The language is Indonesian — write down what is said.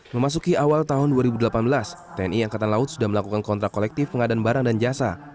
memasuki awal tahun dua ribu delapan belas tni angkatan laut sudah melakukan kontrak kolektif pengadaan barang dan jasa